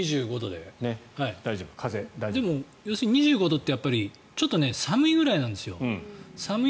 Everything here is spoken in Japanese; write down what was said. でも２５度ってちょっと寒いくらいなんですよ。